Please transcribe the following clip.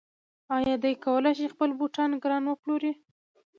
آیا دی کولی شي خپل بوټان ګران وپلوري؟